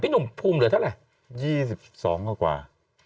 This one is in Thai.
หนุ่มภูมิเหลือเท่าไหร่๒๒กว่า